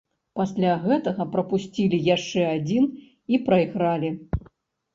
Пасля гэтага прапусцілі яшчэ адзін і прайгралі.